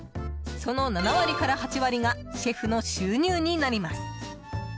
その７割から８割がシェフの収入になります。